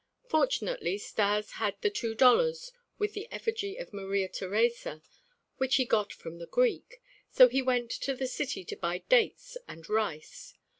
Fortunately Stas had the two dollars with the effigy of Maria Theresa, which he got from the Greek; so he went to the city to buy dates and rice.